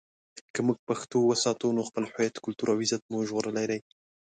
که موږ پښتو وساتو، نو خپل هویت، کلتور او عزت مو ژغورلی دی.